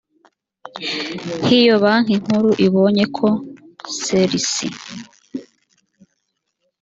h iyo banki nkuru ibonye ko ser isi